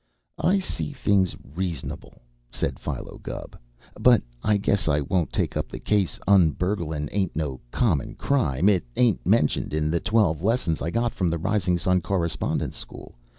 "I see things reasonable," said Philo Gubb. "But I guess I won't take up the case; un burgling ain't no common crime. It ain't mentioned in the twelve lessons I got from the Rising Sun Correspondence School.